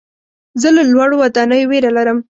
زه له لوړو ودانیو ویره لرم.